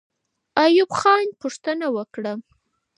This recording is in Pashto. ایوب خان پوښتنه وکړه.